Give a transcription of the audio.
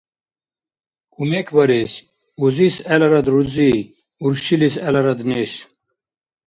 Кумекбарес. Узис гӀеларад рузи, уршилис гӀеларад неш…